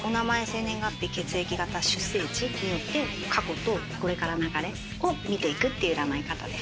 生年月日血液型出生地によって過去とこれからの流れを見ていくっていう占い方で。